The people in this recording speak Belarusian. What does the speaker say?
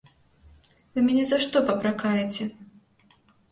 Вы мяне за што папракаеце?